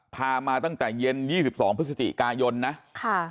พามาตั้งแต่เย็น๒๒พฤศจิกายนนะค่ะ